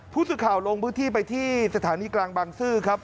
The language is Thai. ผู้สื่อข่าวลงพื้นที่ไปที่สถานีกลางบางซื่อครับ